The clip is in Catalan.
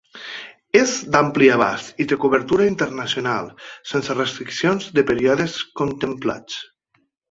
És d’ampli abast i de cobertura internacional, sense restriccions de períodes contemplats.